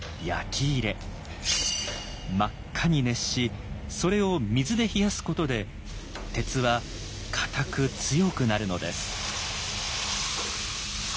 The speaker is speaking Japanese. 真っ赤に熱しそれを水で冷やすことで鉄は硬く強くなるのです。